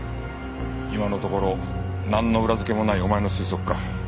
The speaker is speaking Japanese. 今のところなんの裏づけもないお前の推測か。